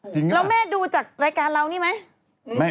จริงเหรอแล้วแม่ดูจากรายการเรานี่ไหม